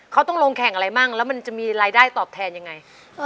เขาต้องลงแข่งอะไรมั่งแล้วมันจะมีรายได้ตอบแทนยังไง